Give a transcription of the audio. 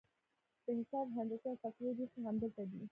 د حساب، هندسې او فلسفې رېښې همدلته دي.